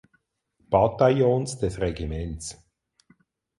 Bataillons des Regiments.